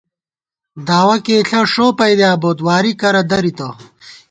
دعوہ کېئیݪہ ݭو پَئیدِیا بوت، واری کرہ درِتہ